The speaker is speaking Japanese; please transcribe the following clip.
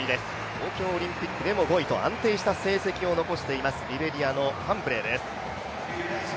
東京オリンピックでも５位と安定した成績を残しています、リベリアのファンブレーです。